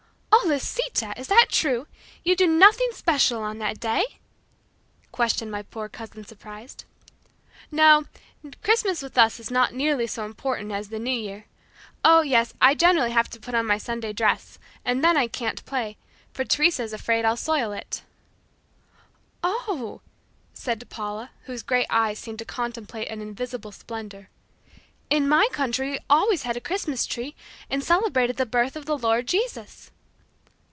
"Oh, Lisita, is that true? You do nothing special on that day?" questioned my poor cousin surprised. "No, Christmas with us is not nearly so important as the New Year. Oh, yes; I generally have to put on my Sunday dress, and then I can't play, for Teresa is afraid I'll soil it." "Oh," said Paula whose great eyes seemed to contemplate an invisible splendor. "In my country we always had a Christmas tree, and celebrated the birth of the Lord Jesus."